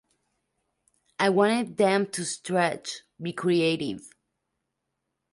I wanted them to stretch, be creative.